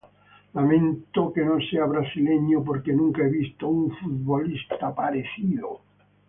Lamento que no sea brasileño porque nunca he visto un futbolista parecido"".